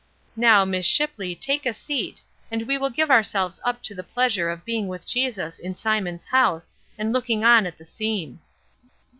Now, Miss Shipley, take a seat, and we will give ourselves up to the pleasure of being with Jesus in Simon's house, and looking on at the scene."